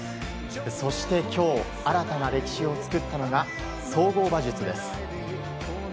そして今日新たな歴史を作ったのが総合馬術です。